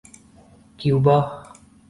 Cuba